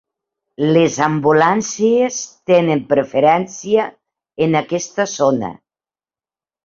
Les ambulàncies tenen preferència en aquesta zona.